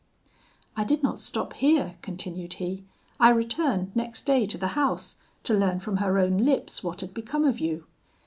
'I did not stop here,' continued he; 'I returned next day to the house, to learn from her own lips what had become of you.